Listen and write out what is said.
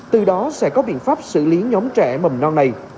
từ đó sẽ có biện pháp xử lý nhóm trẻ mầm non này